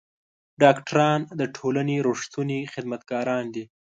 ډاکټران د ټولنې رښتوني خدمتګاران دي.